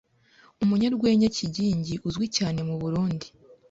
Umunyarwenya Kigingi uzwi cyane mu Burundi